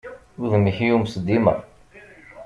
Udem-ik yumes dima.